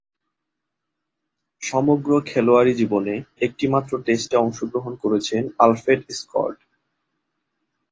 সমগ্র খেলোয়াড়ী জীবনে একটিমাত্র টেস্টে অংশগ্রহণ করেছেন আলফ্রেড স্কট।